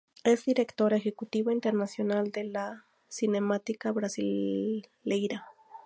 Es directora ejecutiva internacional de la Cinemateca Brasileira.